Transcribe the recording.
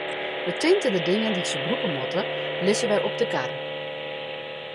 De tinte en de dingen dy't se brûke moatte, lizze wer op de karre.